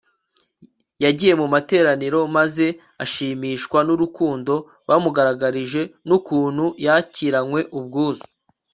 yagiye mu materaniro maze ashishikazwa n urukundo bamugaragarije n'ukuntu yakiranywe ubwuzu